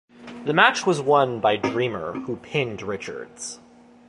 The match was won by Dreamer, who pinned Richards.